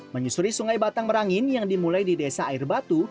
menyusuri sungai batang merangin yang dimulai di desa air batu